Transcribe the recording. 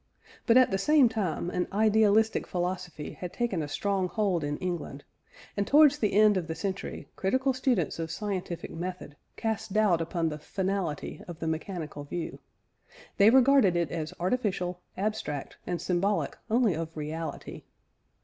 But, at the same time, an idealistic philosophy had taken a strong hold in England, and towards the end of the century critical students of scientific method cast doubt upon the finality of the mechanical view. They regarded it as artificial, abstract, and symbolic only of reality.